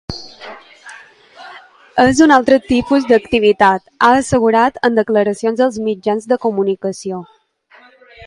És un altre tipus d’activitat, ha assegurat en declaracions als mitjans de comunicació.